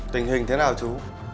tình hình thế nào chú